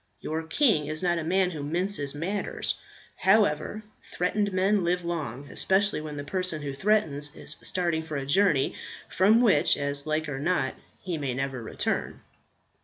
Your king is not a man who minces matters. However, threatened men live long, especially when the person who threatens is starting for a journey, from which, as like or not, he may never return.